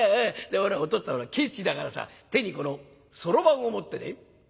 でほらお父っつぁんケチだからさ手にこのそろばんを持ってね